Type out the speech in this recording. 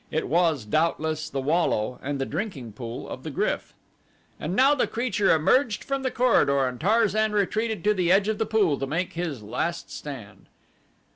It was, doubtless, the wallow and the drinking pool of the GRYF. And now the creature emerged from the corridor and Tarzan retreated to the edge of the pool to make his last stand.